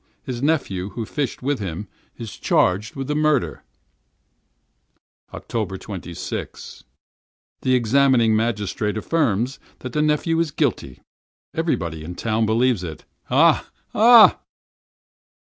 His nephew, who fished with him, is charged with the murder. 26th October. The examining magistrate affirms that the nephew is guilty. Everybody in town believes it. Ah! ah!